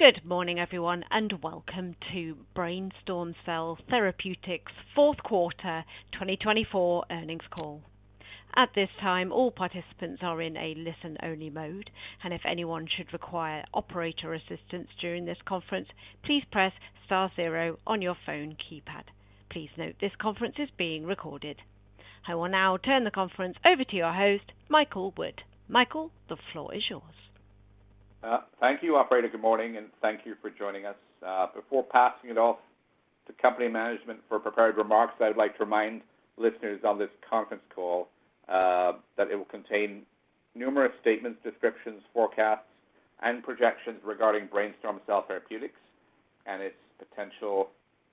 Good morning, everyone, and welcome to BrainStorm Cell Therapeutics' fourth quarter 2024 earnings call. At this time, all participants are in a listen-only mode, and if anyone should require operator assistance during this conference, please press star zero on your phone keypad. Please note this conference is being recorded. I will now turn the conference over to your host, Michael Wood. Michael, the floor is yours. Thank you, operator. Good morning, and thank you for joining us. Before passing it off to company management for prepared remarks, I would like to remind listeners on this conference call that it will contain numerous statements, descriptions, forecasts, and projections regarding BrainStorm Cell Therapeutics and its potential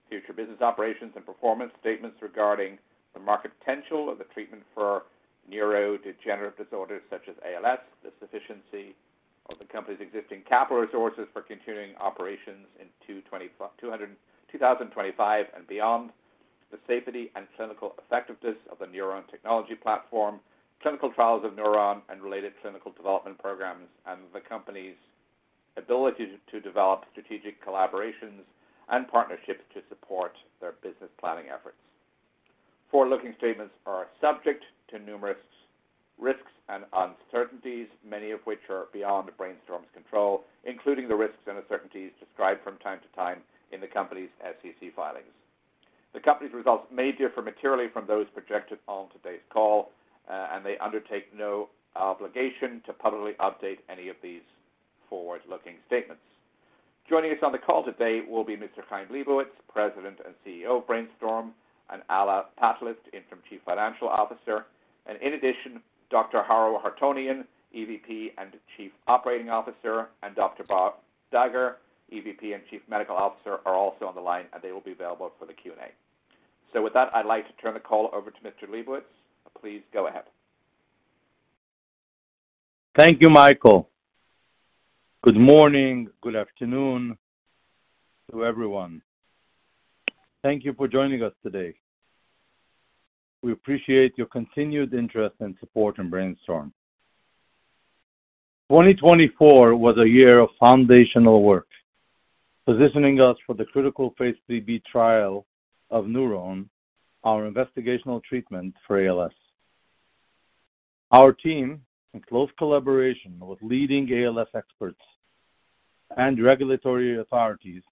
future business operations and performance statements regarding the market potential of the treatment for neurodegenerative disorders such as ALS, the sufficiency of the company's existing capital resources for continuing operations in 2025 and beyond, the safety and clinical effectiveness of the NurOwn technology platform, clinical trials of NurOwn and related clinical development programs, and the company's ability to develop strategic collaborations and partnerships to support their business planning efforts. Forward-looking statements are subject to numerous risks and uncertainties, many of which are beyond BrainStorm's control, including the risks and uncertainties described from time to time in the company's SEC filings. The company's results may differ materially from those projected on today's call, and they undertake no obligation to publicly update any of these forward-looking statements. Joining us on the call today will be Mr. Chaim Lebovits, President and CEO of BrainStorm, and Alla Patlis, Interim Chief Financial Officer. In addition, Dr. Haro Hartounian, EVP and Chief Operating Officer, and Dr. Bob Dagher, EVP and Chief Medical Officer, are also on the line, and they will be available for the Q&A. With that, I'd like to turn the call over to Mr. Lebovits. Please go ahead. Thank you, Michael. Good morning, good afternoon to everyone. Thank you for joining us today. We appreciate your continued interest and support in BrainStorm. 2024 was a year of foundational work, positioning us for the critical Phase 3b trial of NurOwn, our investigational treatment for ALS. Our team, in close collaboration with leading ALS experts and regulatory authorities,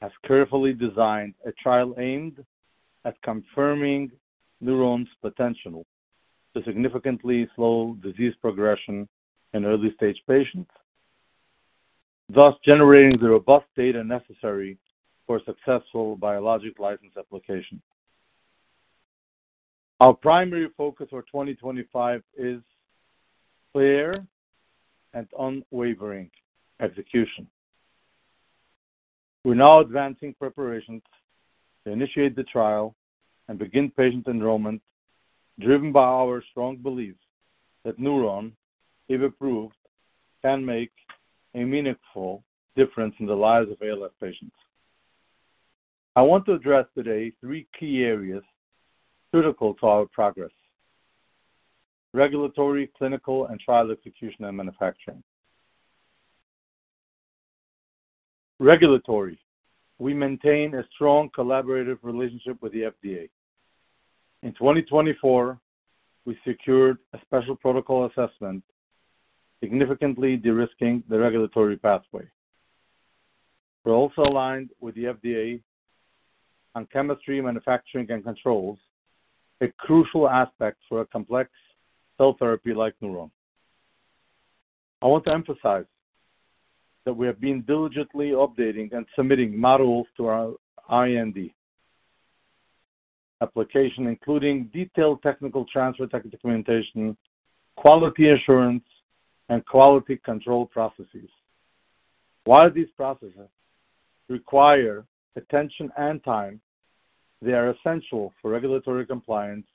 has carefully designed a trial aimed at confirming NurOwn's potential to significantly slow disease progression in early-stage patients, thus generating the robust data necessary for successful Biologics License Application. Our primary focus for 2025 is fair and unwavering execution. We're now advancing preparations to initiate the trial and begin patient enrollment, driven by our strong belief that NurOwn, if approved, can make a meaningful difference in the lives of ALS patients. I want to address today three key areas critical to our progress: regulatory, clinical, and trial execution and manufacturing. Regulatory, we maintain a strong collaborative relationship with the FDA. In 2024, we secured a Special Protocol Assessment, significantly de-risking the regulatory pathway. We're also aligned with the FDA on Chemistry, Manufacturing, and Controls, a crucial aspect for a complex cell therapy like NurOwn. I want to emphasize that we have been diligently updating and submitting modules to our IND application, including detailed technical transfer documentation, quality assurance, and quality control processes. While these processes require attention and time, they are essential for regulatory compliance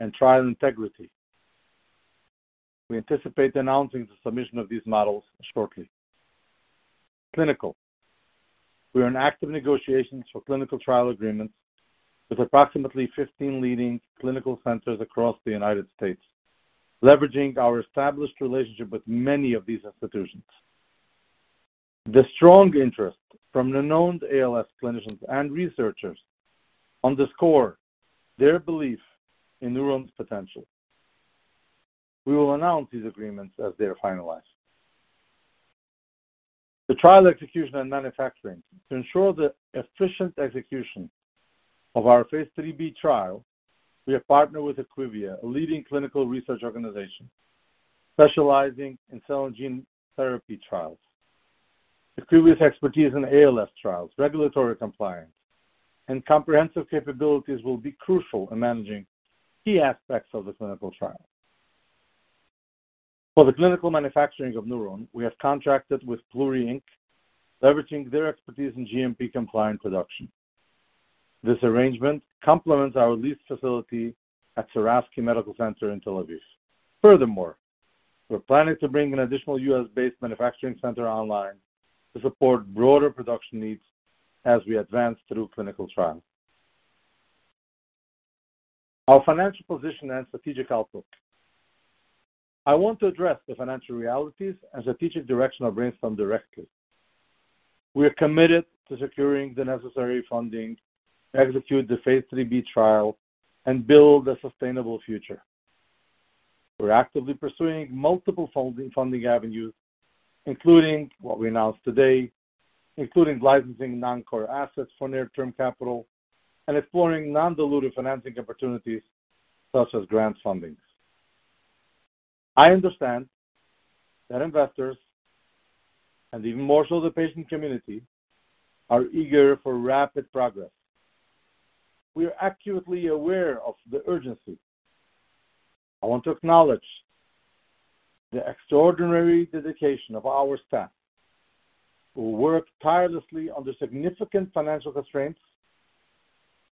and trial integrity. We anticipate announcing the submission of these modules shortly. Clinical, we are in active negotiations for clinical trial agreements with approximately 15 leading clinical centers across the United States, leveraging our established relationship with many of these institutions. The strong interest from renowned ALS clinicians and researchers underscores their belief in NurOwn's potential. We will announce these agreements as they are finalized. The trial execution and manufacturing to ensure the efficient execution of our Phase 3b trial, we have partnered with IQVIA, a leading clinical research organization specializing in cell and gene therapy trials. IQVIA's expertise in ALS trials, regulatory compliance, and comprehensive capabilities will be crucial in managing key aspects of the clinical trial. For the clinical manufacturing of NurOwn, we have contracted with Pluri Inc., leveraging their expertise in GMP-compliant production. This arrangement complements our leased facility at Sourasky Medical Center in Tel Aviv. Furthermore, we're planning to bring an additional U.S.-based manufacturing center online to support broader production needs as we advance through clinical trial. Our financial position and strategic outlook. I want to address the financial realities and strategic direction of BrainStorm Cell Therapeutics. We are committed to securing the necessary funding, execute the Phase 3b trial, and build a sustainable future. We're actively pursuing multiple funding avenues, including what we announced today, including licensing non-core assets for near-term capital and exploring non-dilutive financing opportunities such as grant funding. I understand that investors, and even more so the patient community, are eager for rapid progress. We are acutely aware of the urgency. I want to acknowledge the extraordinary dedication of our staff, who work tirelessly under significant financial constraints,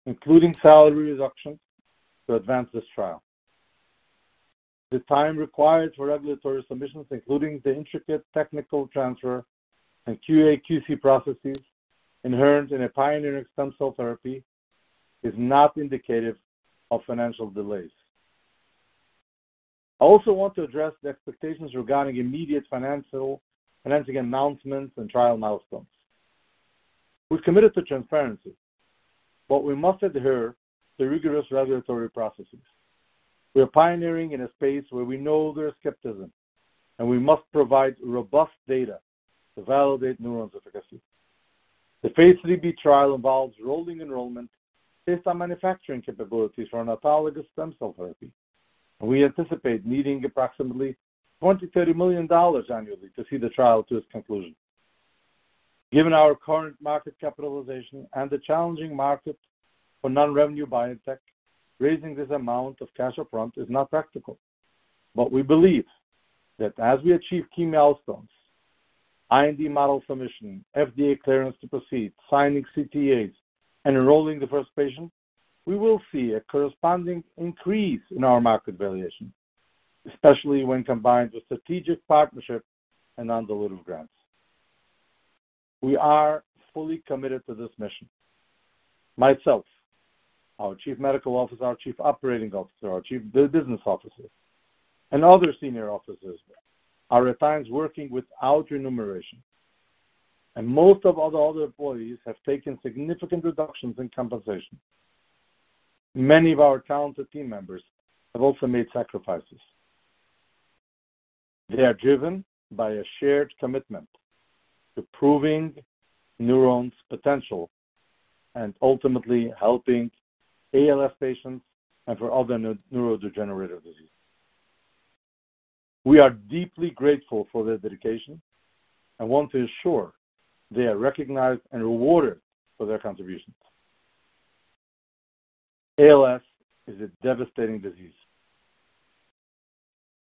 including salary reductions, to advance this trial. The time required for regulatory submissions, including the intricate technical transfer and QA/QC processes inherent in a pioneering stem cell therapy, is not indicative of financial delays. I also want to address the expectations regarding immediate financial financing announcements and trial milestones. We're committed to transparency, but we must adhere to rigorous regulatory processes. We are pioneering in a space where we know there is skepticism, and we must provide robust data to validate NurOwn's efficacy. The Phase 3b trial involves rolling enrollment based on manufacturing capabilities for an autologous stem cell therapy, and we anticipate needing approximately $20-30 million annually to see the trial to its conclusion. Given our current market capitalization and the challenging market for non-revenue biotech, raising this amount of cash upfront is not practical, but we believe that as we achieve key milestones—IND module submission, FDA clearance to proceed, signing CTAs, and enrolling the first patient—we will see a corresponding increase in our market valuation, especially when combined with strategic partnerships and non-dilutive grants. We are fully committed to this mission. Myself, our Chief Medical Officer, our Chief Operating Officer, our Chief Business Officer, and other senior officers are at times working without remuneration, and most of our other employees have taken significant reductions in compensation. Many of our talented team members have also made sacrifices. They are driven by a shared commitment to proving NurOwn's potential and ultimately helping ALS patients and for other neurodegenerative diseases. We are deeply grateful for their dedication and want to ensure they are recognized and rewarded for their contributions. ALS is a devastating disease.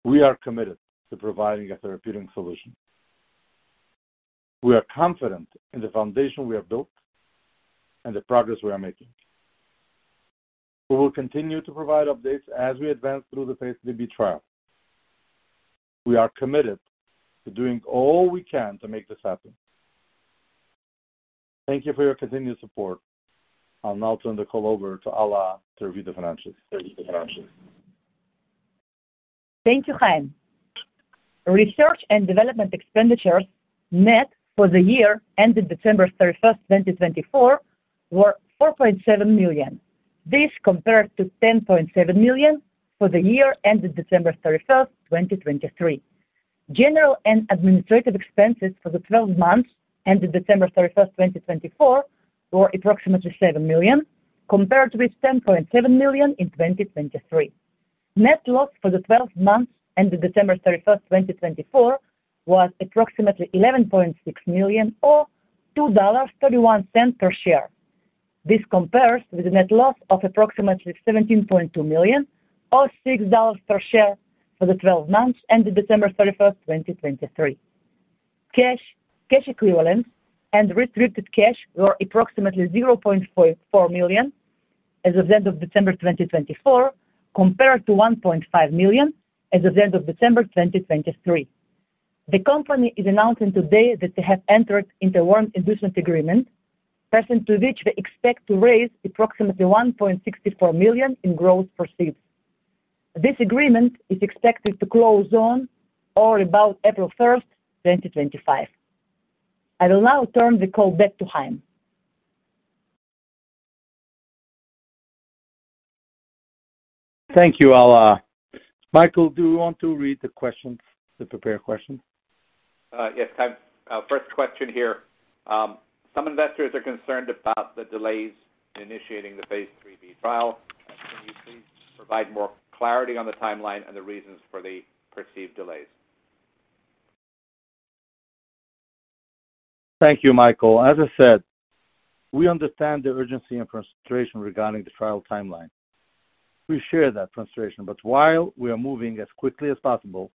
We are committed to providing a therapeutic solution. We are confident in the foundation we have built and the progress we are making. We will continue to provide updates as we advance through the Phase 3b trial. We are committed to doing all we can to make this happen. Thank you for your continued support. I'll now turn the call over to Alla Patlis to review the financials. Thank you, Chaim. Research and development expenditures net for the year ended December 31, 2024, were $4.7 million. This compared to $10.7 million for the year ended December 31, 2023. General and administrative expenses for the 12 months ended December 31, 2024, were approximately $7 million, compared with $10.7 million in 2023. Net loss for the 12 months ended December 31, 2024, was approximately $11.6 million, or $2.31 per share. This compares with a net loss of approximately $17.2 million, or $6 per share for the 12 months ended December 31, 2023. Cash equivalents and restricted cash were approximately $0.44 million as of the end of December 2024, compared to $1.5 million as of the end of December 2023. The company is announcing today that they have entered into a warrant inducement agreement, pursuant to which they expect to raise approximately $1.64 million in gross proceeds. This agreement is expected to close on or about April 1, 2025. I will now turn the call back to Chaim. Thank you, Alla. Michael, do we want to read the questions, the prepared questions? Yes. First question here. Some investors are concerned about the delays initiating the Phase 3b trial. Can you please provide more clarity on the timeline and the reasons for the perceived delays? Thank you, Michael. As I said, we understand the urgency and frustration regarding the trial timeline. We share that frustration, but while we are moving as quickly as possible,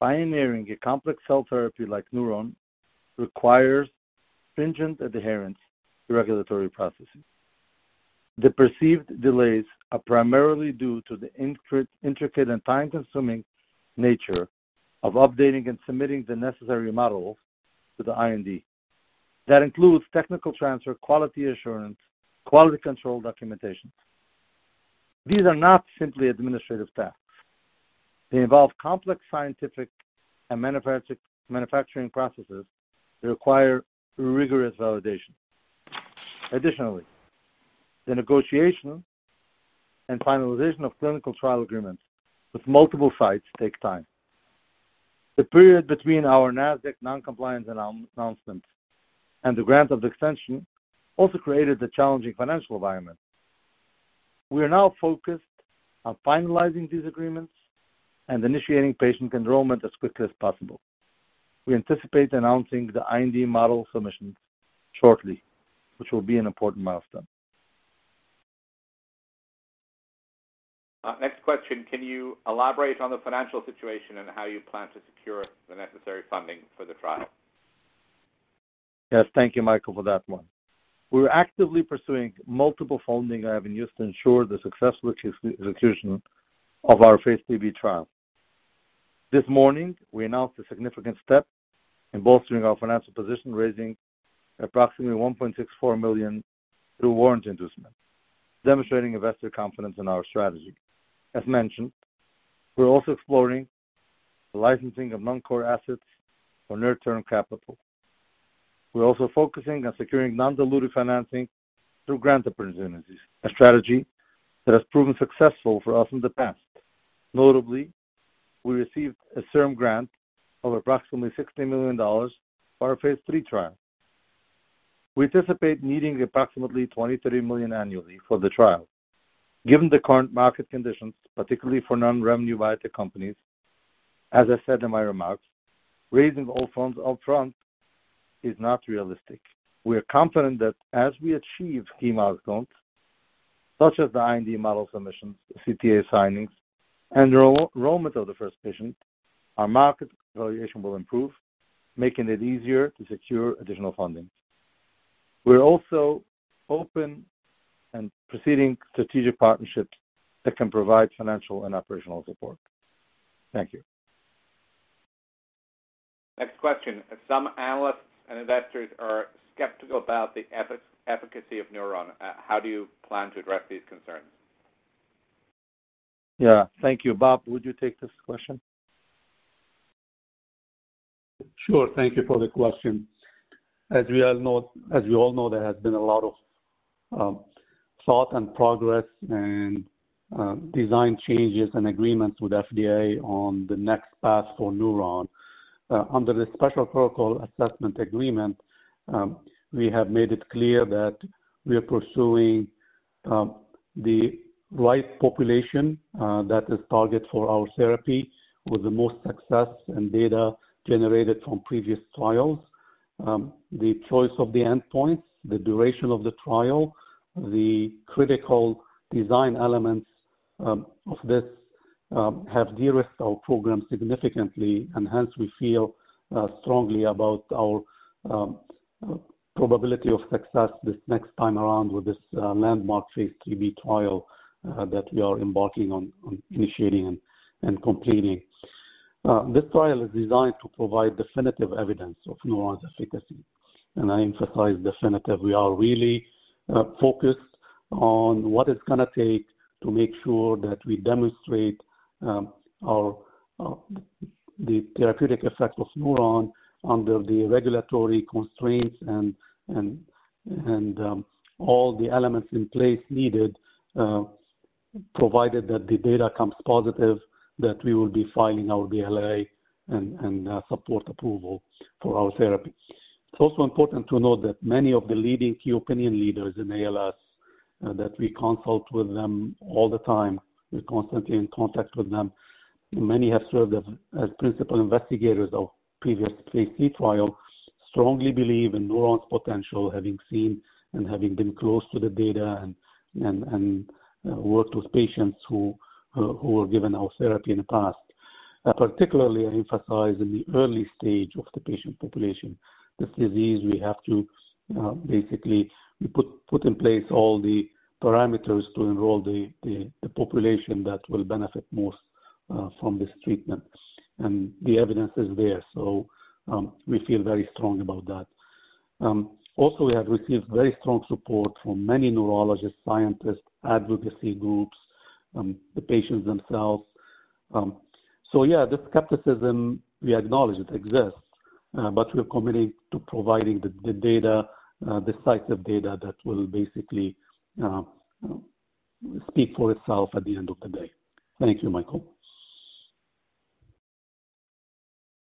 pioneering a complex cell therapy like NurOwn requires stringent adherence to regulatory processes. The perceived delays are primarily due to the intricate and time-consuming nature of updating and submitting the necessary modules to the IND. That includes technical transfer, quality assurance, quality control documentation. These are not simply administrative tasks. They involve complex scientific and manufacturing processes that require rigorous validation. Additionally, the negotiation and finalization of clinical trial agreements with multiple sites take time. The period between our Nasdaq non-compliance announcements and the grant of the extension also created the challenging financial environment. We are now focused on finalizing these agreements and initiating patient enrollment as quickly as possible. We anticipate announcing the IND module submissions shortly, which will be an important milestone. Next question. Can you elaborate on the financial situation and how you plan to secure the necessary funding for the trial? Yes. Thank you, Michael, for that one. We're actively pursuing multiple funding avenues to ensure the successful execution of our Phase 3b trial. This morning, we announced a significant step in bolstering our financial position, raising approximately $1.64 million through warrant inducement, demonstrating investor confidence in our strategy. As mentioned, we're also exploring the licensing of non-core assets for near-term capital. We're also focusing on securing non-dilutive financing through grant opportunities, a strategy that has proven successful for us in the past. Notably, we received a CIRM grant of approximately $60 million for our Phase 3 trial. We anticipate needing approximately $20-30 million annually for the trial. Given the current market conditions, particularly for non-revenue biotech companies, as I said in my remarks, raising all funds upfront is not realistic. We are confident that as we achieve key milestones such as the IND module submissions, CTA signings, and enrollment of the first patient, our market valuation will improve, making it easier to secure additional funding. We're also open to pursuing strategic partnerships that can provide financial and operational support. Thank you. Next question. Some analysts and investors are skeptical about the efficacy of NurOwn. How do you plan to address these concerns? Yeah. Thank you. Bob, would you take this question? Sure. Thank you for the question. As we all know, there has been a lot of thought and progress and design changes and agreements with the FDA on the next path for NurOwn. Under the Special Protocol Assessment Agreement, we have made it clear that we are pursuing the right population that is targeted for our therapy with the most success and data generated from previous trials. The choice of the endpoints, the duration of the trial, the critical design elements of this have de-risked our program significantly, and hence, we feel strongly about our probability of success this next time around with this landmark Phase 3b trial that we are embarking on initiating and completing. This trial is designed to provide definitive evidence of NurOwn's efficacy, and I emphasize definitive. We are really focused on what it's going to take to make sure that we demonstrate the therapeutic effect of NurOwn under the regulatory constraints and all the elements in place needed, provided that the data comes positive, that we will be filing our BLA and support approval for our therapy. It's also important to note that many of the leading key opinion leaders in ALS that we consult with them all the time, we're constantly in contact with them, and many have served as principal investigators of previous Phase 3 trials, strongly believe in NurOwn's potential, having seen and having been close to the data and worked with patients who were given our therapy in the past. Particularly, I emphasize in the early stage of the patient population, this disease, we have to basically put in place all the parameters to enroll the population that will benefit most from this treatment, and the evidence is there, so we feel very strong about that. Also, we have received very strong support from many neurologists, scientists, advocacy groups, the patients themselves. Yeah, the skepticism, we acknowledge it exists, but we're committing to providing the data, the sets of data that will basically speak for itself at the end of the day. Thank you, Michael.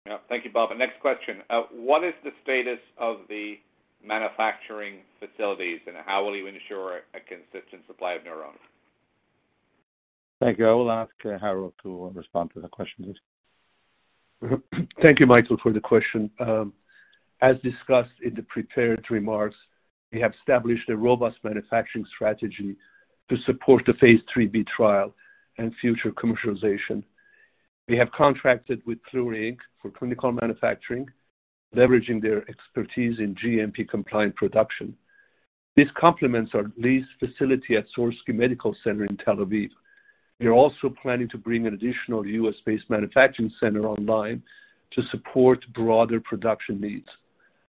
Yeah. Thank you, Bob. Next question. What is the status of the manufacturing facilities, and how will you ensure a consistent supply of NurOwn? Thank you. I will ask Haro to respond to that question, please. Thank you, Michael, for the question. As discussed in the prepared remarks, we have established a robust manufacturing strategy to support the Phase 3b trial and future commercialization. We have contracted with Pluri Inc. for clinical manufacturing, leveraging their expertise in GMP-compliant production. This complements our leased facility at Sourasky Medical Center in Tel Aviv. We are also planning to bring an additional U.S.-based manufacturing center online to support broader production needs.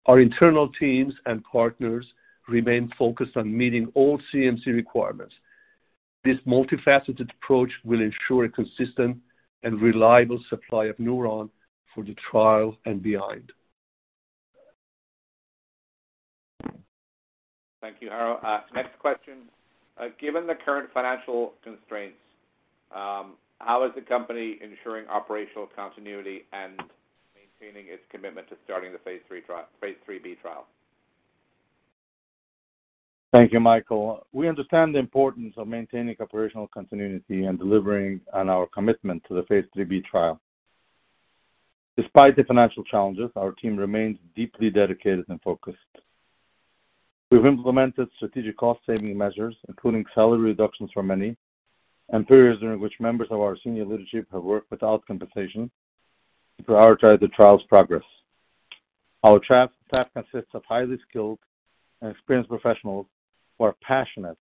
Our internal teams and partners remain focused on meeting all CMC requirements. This multifaceted approach will ensure a consistent and reliable supply of NurOwn for the trial and beyond. Thank you, Haro. Next question. Given the current financial constraints, how is the company ensuring operational continuity and maintaining its commitment to starting the Phase 3b trial? Thank you, Michael. We understand the importance of maintaining operational continuity and delivering on our commitment to the Phase 3b trial. Despite the financial challenges, our team remains deeply dedicated and focused. We've implemented strategic cost-saving measures, including salary reductions for many and periods during which members of our senior leadership have worked without compensation to prioritize the trial's progress. Our staff consists of highly skilled and experienced professionals who are passionate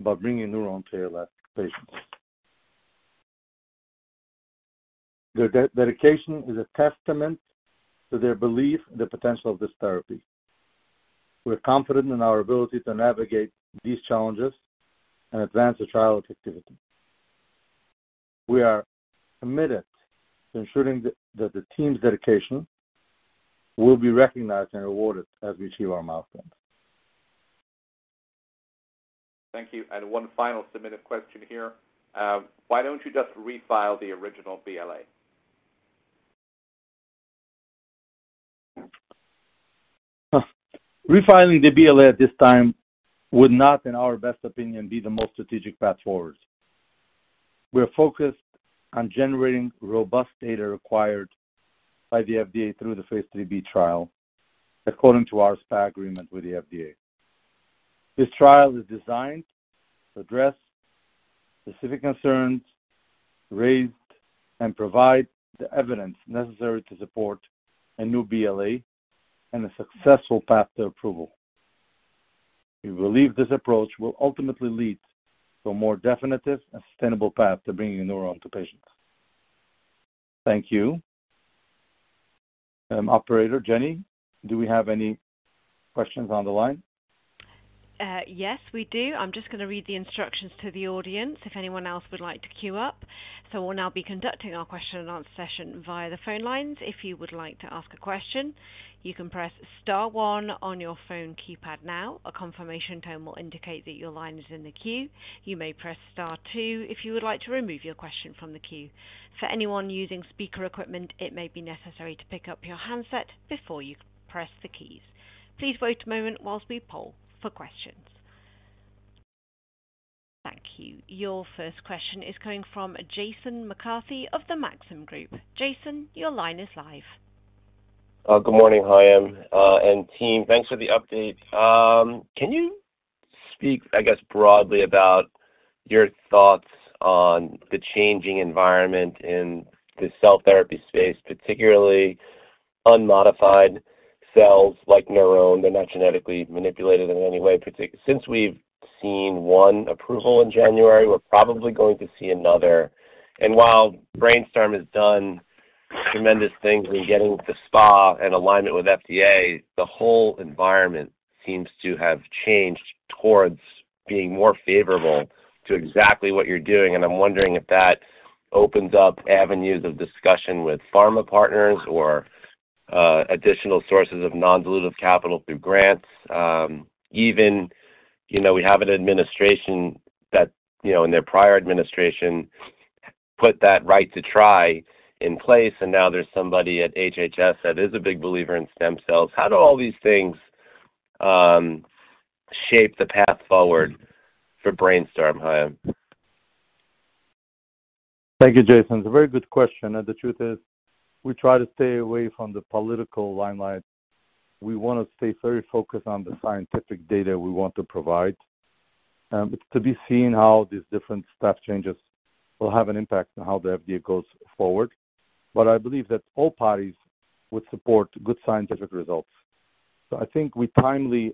about bringing NurOwn to ALS patients. Their dedication is a testament to their belief in the potential of this therapy. We're confident in our ability to navigate these challenges and advance the trial effectively. We are committed to ensuring that the team's dedication will be recognized and rewarded as we achieve our milestones. Thank you. One final submitted question here. Why do you not just refile the original BLA? Refiling the BLA at this time would not, in our best opinion, be the most strategic path forward. We are focused on generating robust data required by the FDA through the Phase 3b trial, according to our SPA agreement with the FDA. This trial is designed to address specific concerns raised and provide the evidence necessary to support a new BLA and a successful path to approval. We believe this approach will ultimately lead to a more definitive and sustainable path to bringing NurOwn to patients. Thank you. Operator, Jenny, do we have any questions on the line? Yes, we do. I'm just going to read the instructions to the audience if anyone else would like to queue up. We will now be conducting our question-and-answer session via the phone lines. If you would like to ask a question, you can press Star 1 on your phone keypad now. A confirmation tone will indicate that your line is in the queue. You may press Star 2 if you would like to remove your question from the queue. For anyone using speaker equipment, it may be necessary to pick up your handset before you press the keys. Please wait a moment whilst we poll for questions. Thank you. Your first question is coming from Jason McCarthy of Maxim Group. Jason, your line is live. Good morning, Chaim and team. Thanks for the update. Can you speak, I guess, broadly about your thoughts on the changing environment in the cell therapy space, particularly unmodified cells like NurOwn? They're not genetically manipulated in any way. Since we've seen one approval in January, we're probably going to see another. While BrainStorm has done tremendous things in getting the SPA and alignment with FDA, the whole environment seems to have changed towards being more favorable to exactly what you're doing. I'm wondering if that opens up avenues of discussion with pharma partners or additional sources of non-dilutive capital through grants. Even we have an administration that, in their prior administration, put that Right to Try in place, and now there's somebody at HHS that is a big believer in stem cells. How do all these things shape the path forward for BrainStorm, Chaim? Thank you, Jason. It's a very good question. The truth is, we try to stay away from the political limelight. We want to stay very focused on the scientific data we want to provide. It's to be seen how these different staff changes will have an impact on how the FDA goes forward. I believe that all parties would support good scientific results. I think we timely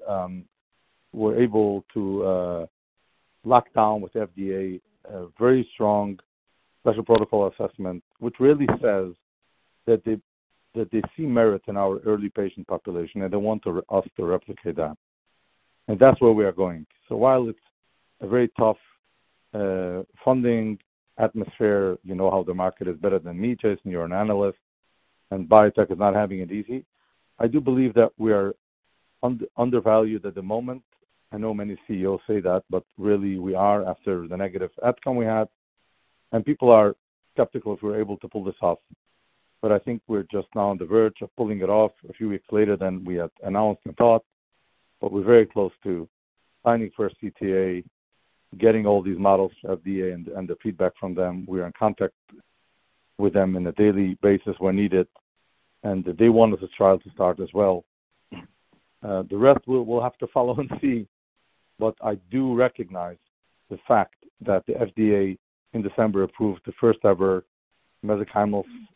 were able to lock down with the FDA a very strong Special Protocol Assessment, which really says that they see merit in our early patient population and they want us to replicate that. That's where we are going. While it's a very tough funding atmosphere, you know how the market is better than me, Jason. You're an analyst, and biotech is not having it easy. I do believe that we are undervalued at the moment. I know many CEOs say that, but really, we are after the negative outcome we had. People are skeptical if we're able to pull this off. I think we're just now on the verge of pulling it off a few weeks later than we had announced and thought. We are very close to signing for a CTA, getting all these models to FDA, and the feedback from them. We are in contact with them on a daily basis when needed, and they want us to try to start as well. The rest, we will have to follow and see. I do recognize the fact that the FDA in December approved the first-ever mesenchymal stem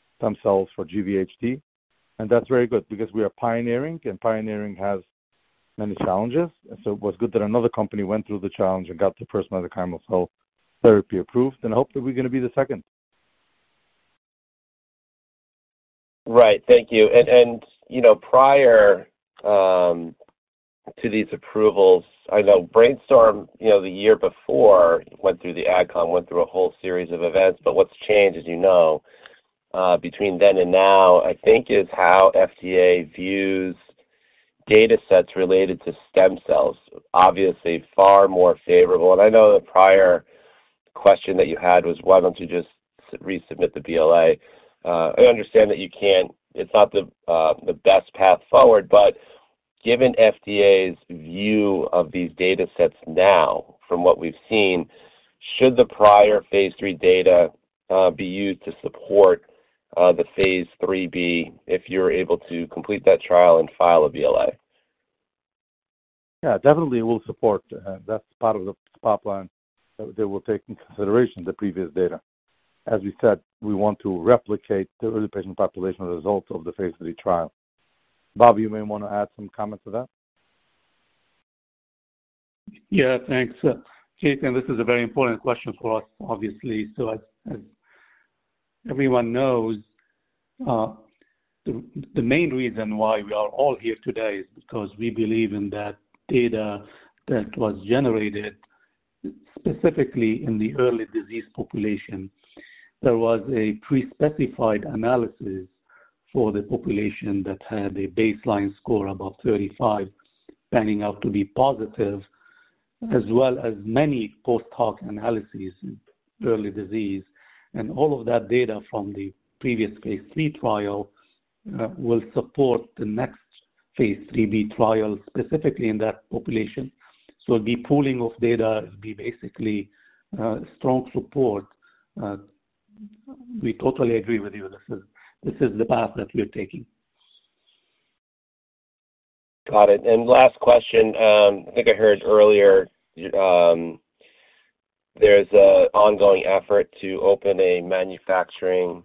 cells for GVHD. That is very good because we are pioneering, and pioneering has many challenges. It was good that another company went through the challenge and got the first mesenchymal cell therapy approved, and I hope that we're going to be the second. Right. Thank you. Prior to these approvals, I know BrainStorm the year before went through the AdCom, went through a whole series of events. What has changed, as you know, between then and now, I think, is how FDA views data sets related to stem cells, obviously far more favorable. I know the prior question that you had was, "Why don't you just resubmit the BLA?" I understand that you can't. It's not the best path forward. Given FDA's view of these data sets now, from what we've seen, should the prior Phase 3 data be used to support the Phase 3b if you're able to complete that trial and file a BLA? Yeah. Definitely, we'll support. That's part of the pipeline that we'll take into consideration, the previous data. As we said, we want to replicate the early patient population results of the Phase 3 trial. Bob, you may want to add some comments to that. Yeah. Thanks. Jason, this is a very important question for us, obviously. As everyone knows, the main reason why we are all here today is because we believe in that data that was generated specifically in the early disease population. There was a pre-specified analysis for the population that had a baseline score above 35, panning out to be positive, as well as many post-hoc analyses in early disease. All of that data from the previous Phase 3 trial will support the next Phase 3b trial specifically in that population. It'll be pooling of data. It'll be basically strong support. We totally agree with you. This is the path that we're taking. Got it. Last question. I think I heard earlier there's an ongoing effort to open a manufacturing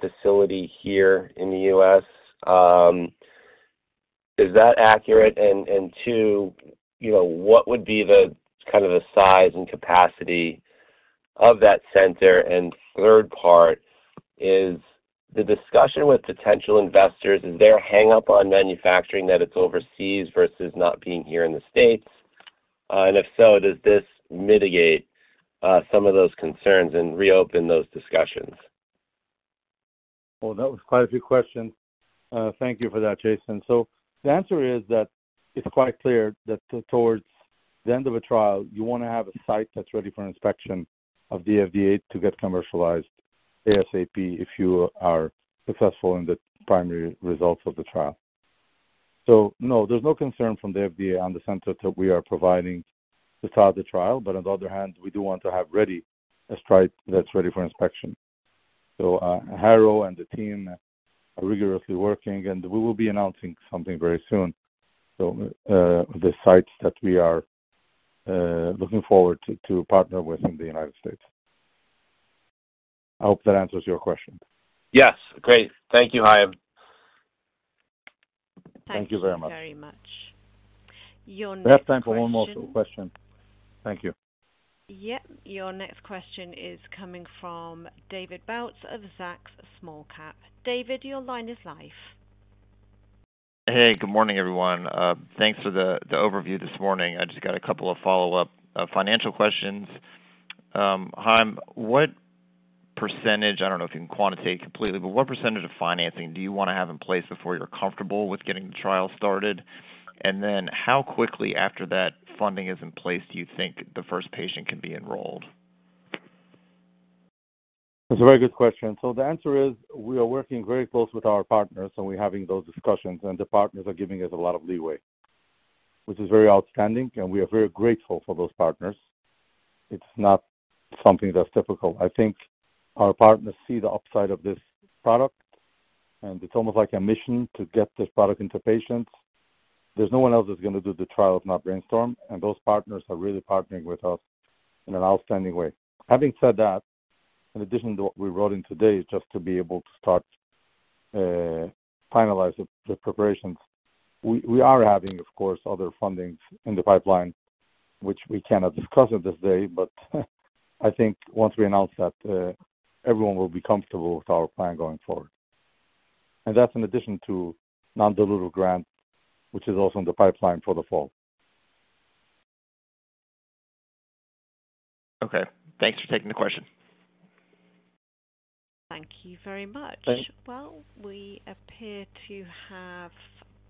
facility here in the U.S. Is that accurate? Two, what would be kind of the size and capacity of that center? Third part, is the discussion with potential investors, is there hang-up on manufacturing that it's overseas versus not being here in the States? If so, does this mitigate some of those concerns and reopen those discussions? That was quite a few questions. Thank you for that, Jason. The answer is that it's quite clear that towards the end of a trial, you want to have a site that's ready for inspection of the FDA to get commercialized ASAP if you are successful in the primary results of the trial. No, there's no concern from the FDA on the center that we are providing to start the trial. On the other hand, we do want to have ready a site that's ready for inspection. Haro and the team are rigorously working, and we will be announcing something very soon. The sites that we are looking forward to partner with in the United States. I hope that answers your question. Yes. Great. Thank you, Chaim. Thank you very much. Thank you very much. We have time for one more question. Thank you. Thank you. Yep. Your next question is coming from David Bautz of Zacks Small Cap Research. David, your line is live. Hey. Good morning, everyone. Thanks for the overview this morning. I just got a couple of follow-up financial questions. Chaim, what percentage—I do not know if you can quantitate completely—but what percentage of financing do you want to have in place before you are comfortable with getting the trial started? How quickly after that funding is in place do you think the first patient can be enrolled? That's a very good question. The answer is we are working very close with our partners, and we're having those discussions. The partners are giving us a lot of leeway, which is very outstanding, and we are very grateful for those partners. It's not something that's typical. I think our partners see the upside of this product, and it's almost like a mission to get this product into patients. There's no one else that's going to do the trial if not BrainStorm. Those partners are really partnering with us in an outstanding way. Having said that, in addition to what we wrote in today, just to be able to start finalizing the preparations, we are having, of course, other fundings in the pipeline, which we cannot discuss at this day. I think once we announce that, everyone will be comfortable with our plan going forward. That is in addition to non-dilutive grant, which is also in the pipeline for the fall. Okay. Thanks for taking the question. Thank you very much. We appear to have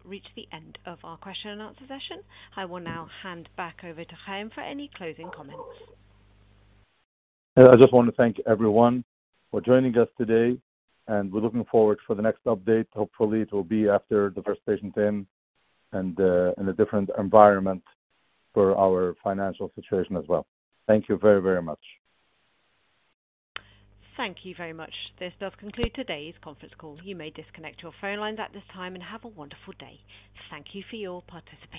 reached the end of our question-and-answer session. I will now hand back over to Chaim for any closing comments. I just want to thank everyone for joining us today. We are looking forward to the next update. Hopefully, it will be after the first patient in and in a different environment for our financial situation as well. Thank you very, very much. Thank you very much. This does conclude today's conference call. You may disconnect your phone lines at this time and have a wonderful day. Thank you for your participation.